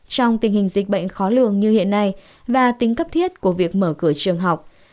trong tình hình dịch bệnh khó lường như hiện nay và tính cấp thiết của việc mở cửa trường học